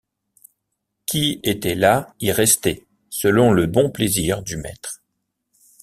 Qui était là y restait selon le bon plaisir du maître.